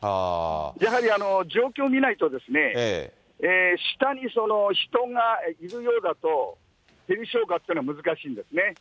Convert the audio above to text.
やはり状況を見ないとですね、下に人がいるようだと、ヘリ消火というのは難しいんですね。